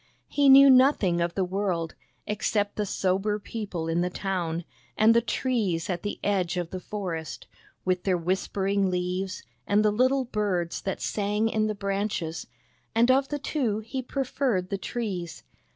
He knew nothing of the world, except the sober people in the town, and the trees at the edge of the forest, with their whispering leaves and the little birds that sang in the branches, and of the two he preferred the trees.